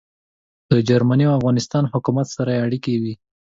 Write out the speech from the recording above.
د جرمني او افغانستان حکومت سره يې اړیکې وې.